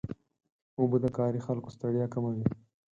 اوبه د کاري خلکو ستړیا کموي.